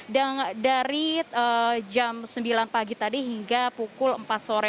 dari jam sembilan pagi tadi hingga pukul empat sore